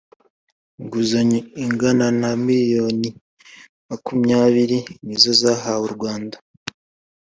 inguzanyo ingana na miliyoni makumyabiri nizo zahawe u rwanda